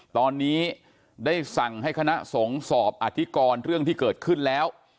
ตอนนี้ได้สั่งให้คณะสงฆ์สอบอธิกรเรื่องที่เกิดขึ้นแล้ว